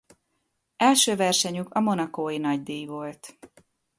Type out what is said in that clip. Első versenyük a monacói nagydíj volt.